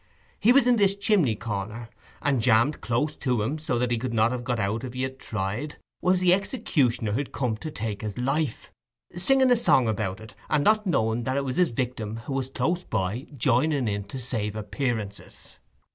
He was in this chimney corner; and jammed close to him, so that he could not have got out if he had tried, was the executioner who'd come to take his life, singing a song about it and not knowing that it was his victim who was close by, joining in to save appearances.